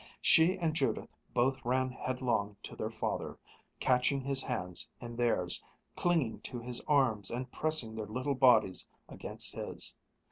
She and Judith both ran headlong to their father, catching his hands in theirs, clinging to his arms and pressing their little bodies against his.